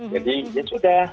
jadi ya sudah